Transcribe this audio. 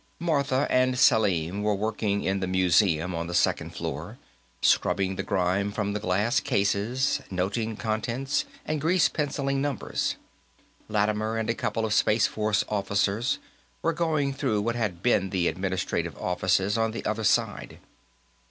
Martha and Selim were working in the museum on the second floor, scrubbing the grime from the glass cases, noting contents, and grease penciling numbers; Lattimer and a couple of Space Force officers were going through what had been the administrative offices on the other side.